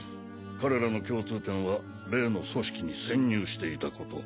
彼らの共通点は例の「組織」に潜入していたこと。